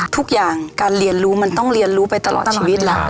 ทุกอย่างการเรียนรู้มันต้องเรียนรู้ไปตลอดชีวิตแหละ